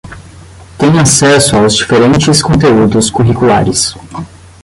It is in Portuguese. têm acesso aos diferentes conteúdos curriculares